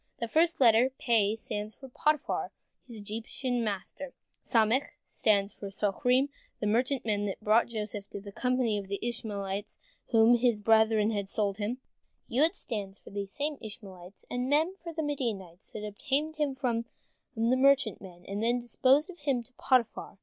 The first letter, Pe, stands for Potiphar, his Egyptian master; Samek stands for Soharim, the merchantmen that bought Joseph from the company of Ishmaelites to whom his brethren had sold him; Yod stands for these same Ishmaelites; and Mem, for the Midianites that obtained him from the merchantmen, and then disposed of him to Potiphar.